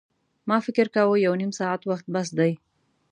ما فکر کاوه یو نیم ساعت وخت بس دی.